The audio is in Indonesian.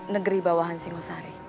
negeri bawahan singosari